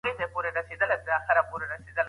انټرنيټ نړۍ په يوه کلي بدله کړې ده.